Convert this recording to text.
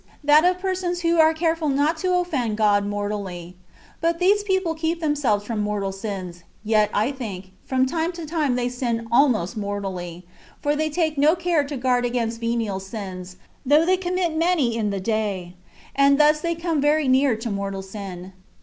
that of persons who are careful not to offend God mortally. But these people keep themselves from mortal sins ; yet, I think, from time to time they sin almost mortally, for they take no care to guard against venial sins, though they commit many in the day ; and thus they come very near to mortal sin.